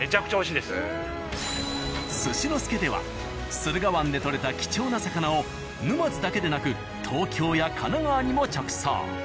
「すし之助」では駿河湾で獲れた貴重な魚を沼津だけでなく東京や神奈川にも直送。